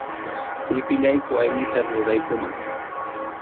Llipillayku aynita ruraykuman.